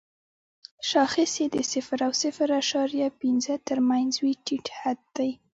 شاخص یې د صفر او صفر اعشاریه پنځه تر مینځ وي ټیټ حد دی.